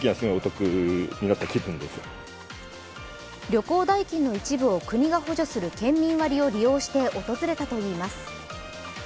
旅行代金の一部を国が補助する県民割を利用して訪れたといいます。